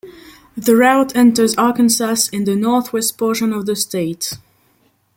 The route enters Arkansas in the northwest portion of the state.